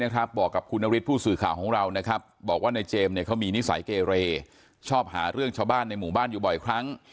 ยังไงหนูเอาเรื่องอะไร